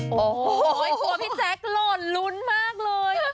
โอ้โหตัวพี่แจ๊คหล่อนลุ้นมากเลย